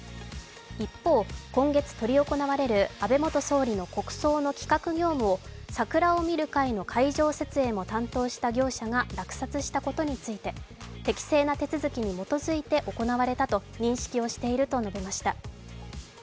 一方、今月執り行われる安倍元総理の国葬の企画業務を桜を見る会の会場設営も担当した業者が落札したことについて適正な手続きに基づいて行われたと認識をしていると述べました。